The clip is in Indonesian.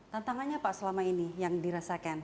tantangannya pak selama ini yang dirasakan